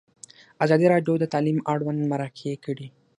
ازادي راډیو د تعلیم اړوند مرکې کړي.